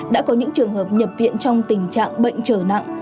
đã có những trường hợp nhập viện trong tình trạng bệnh trở nặng